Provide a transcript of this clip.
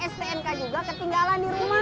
stnk juga ketinggalan di rumah